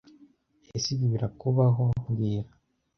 Ese ibi birakubaho mbwira